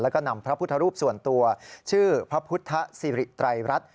แล้วก็นำพระพุทธรูปส่วนตัวชื่อพระพุทธศิริไตรรัฐ